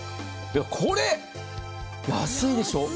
これ、安いでしょ？